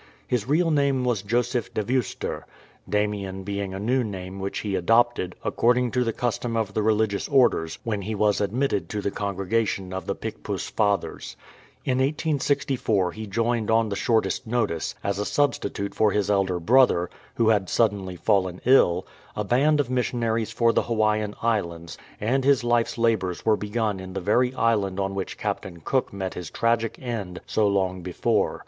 His real name was Joseph de Veuster, Damien being a new name which he adopted, according to the custom of the religious orders, when he was admitted to the congregation of the Picpus Fathers. In 1864 he joined on the shortest notice, as a substitute for his elder brother, who had suddenly fallen ill, a band of missionaries for the Hawaiian Islands, and his life's labours were begun in the very island on which Captain Cook met his tragic end so long before.